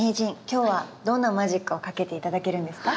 今日はどんなマジックをかけて頂けるんですか？